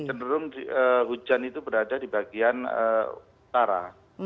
cenderung hujan itu berada di bagian utara